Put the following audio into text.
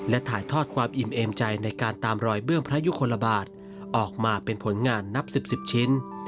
และถ่ายทอดความอิ่มเอมใจในการตามรอยเบื้องพระยุคลบาทออกมาเป็นผลงานนับ๑๐๑๐ชิ้น